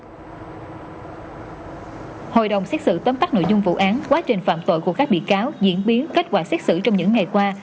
hội đồng xét xử tấm tắt nội dung vụ án quá trình phạm tội của các bị cáo diễn biến kết quả xét xử trong những ngày qua